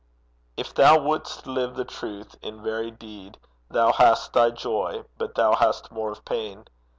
If thou wouldst live the Truth in very deed, Thou hast thy joy, but thou hast more of pain.